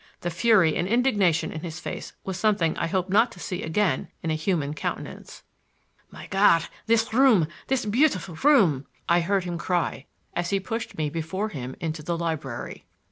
The fury and indignation in his face was something I hope not to see again in a human countenance. "My God, this room—this beautiful room!" I heard him cry, as he pushed me before him into the library.